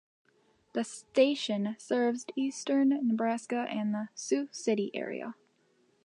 The station serves eastern Nebraska and the Sioux City area.